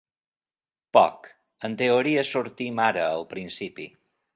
Poc, en teoria sortim ara al principi.